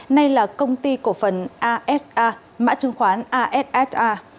nay là công ty cổ phần asa mã chứng khoán assa